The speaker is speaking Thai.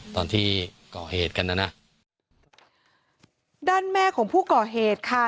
ตอนที่ก่อเหตุกันนะนะด้านแม่ของผู้ก่อเหตุค่ะ